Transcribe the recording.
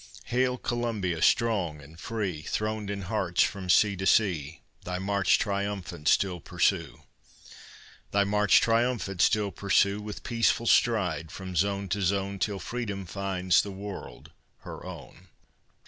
Hail, Columbia! strong and free, Throned in hearts from sea to sea! Thy march triumphant still pursue Thy march triumphant still pursue With peaceful stride from zone to zone, Till Freedom finds the world her own!